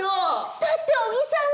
だって小木さんが。